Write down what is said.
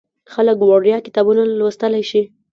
خلک وړیا کتابونه لوستلی شي.